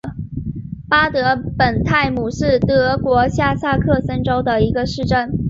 巴德本泰姆是德国下萨克森州的一个市镇。